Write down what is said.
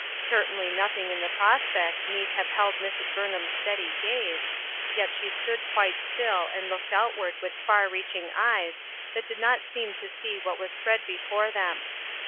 Certainly nothing in the prospect need have held Mrs. Burnham's steady gaze, yet she stood quite still and looked outward with far reaching eyes that did not seem to see what was spread before them.